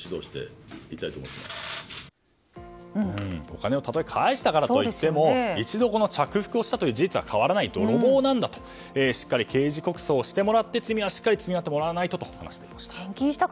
お金をたとえ返したからといっても一度着服をしたという事実は変わらない泥棒なんだとしっかり刑事告訴してもらって罪はしっかり償ってもらわないとと話していました。